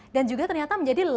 dan juga ternyata menjadi lahan